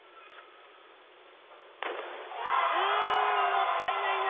もったいないな。